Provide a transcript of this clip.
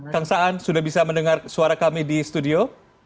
kang saan sudah bisa mendengar suara kami di studio